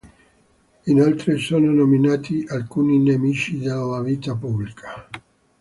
Inoltre, sono nominati alcuni nemici della vita pubblica.